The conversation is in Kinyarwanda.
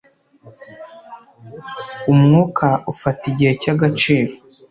umwuka ufata igihe cyagaciro